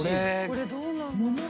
・これどうなの？